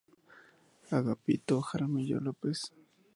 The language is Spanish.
Agapito Jaramillo López.